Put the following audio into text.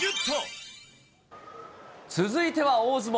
続いては大相撲。